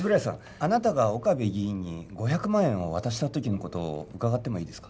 あなたが岡部議員に５００万円を渡した時のことを伺ってもいいですか？